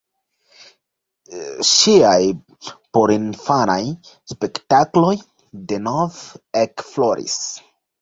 Ŝiaj porinfanaj spektakloj denove ekfloris.